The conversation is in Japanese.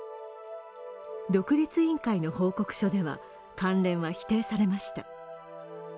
独立委員会の報告書では関連は否定されました。